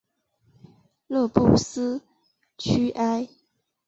勒布斯屈埃。